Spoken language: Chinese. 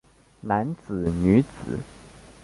男子女子